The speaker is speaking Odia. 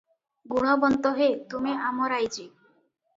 "ଗୁଣବନ୍ତ ହେ ତୁମେ ଆମ ରାଇଜେ